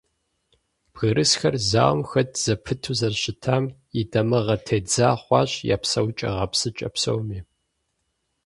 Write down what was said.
Бгырысхэр зауэм хэт зэпыту зэрыщытам и дамыгъэ тедза хъуащ я псэукӀэ-гъэпсыкӀэ псоми.